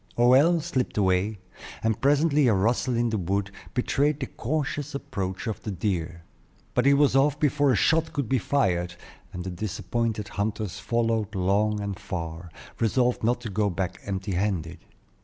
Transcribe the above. Hoël slipped away, and presently a rustle in the wood betrayed the cautious approach of the deer. But he was off before a shot could be fired, and the disappointed hunters followed long and far, resolved not to go back empty handed.